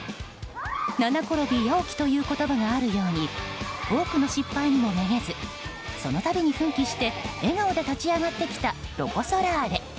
七転び八起きという言葉があるように多くの失敗にもめげずその度に奮起して笑顔で立ち上がってきたロコ・ソラーレ。